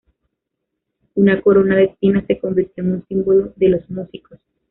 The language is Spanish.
Una corona de espinas se convirtió en un símbolo de los músicos.